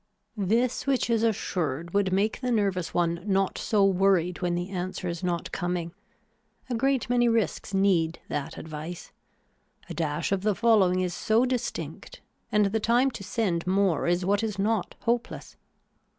This which is assured would make the nervous one not so worried when the answer is not coming. A great many risks need that advice. A dash of the following is so distinct and the time to send more is what is not hopeless.